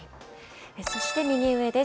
そして右上です。